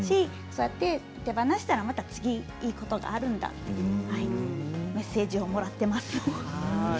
手放したら、また次にいいことがあるんだということでそういうメッセージをもらっています。